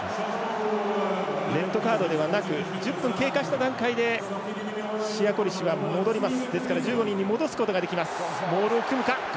レッドカードではなく１０分経過した段階でシヤ・コリシが戻ります。